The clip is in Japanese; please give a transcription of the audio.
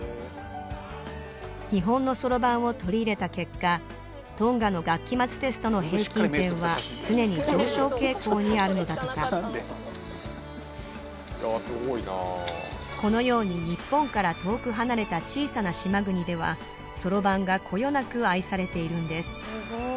日本のそろばんを取り入れた結果トンガの学期末テストの平均点は常に上昇傾向にあるのだとかこのように日本から遠く離れた小さな島国ではそろばんがこよなく愛されているんです